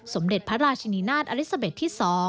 สมเด็จพระราชินินาศอลิซาเบ็ดที่๒